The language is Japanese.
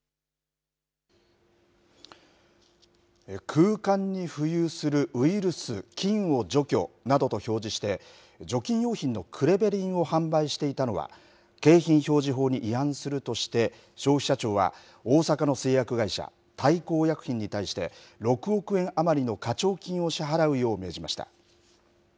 空間に浮遊するウイルス・菌を除去などと表示して、除菌用品のクレベリンを販売していたのは、景品表示法に違反するとして、消費者庁は、大阪の製薬会社、大幸薬品に対して、６億円余りの課徴金を支払うよう命じました。